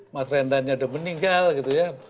mas rendanya udah meninggal gitu ya